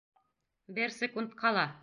Бер секундҡа ла!